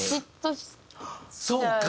そうか。